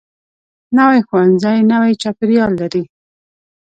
نوی ښوونځی نوی چاپیریال لري